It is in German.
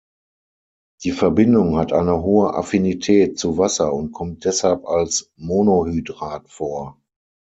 Die Verbindung hat eine hohe Affinität zu Wasser und kommt deshalb als Monohydrat vor.